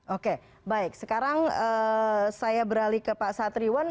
oke baik sekarang saya beralih ke pak satriwan